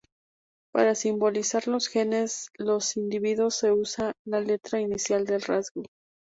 Para simbolizar los genes de los individuos se usa la letra inicial del rasgo.